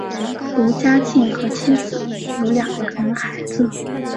卢家进和妻子有两人孩子。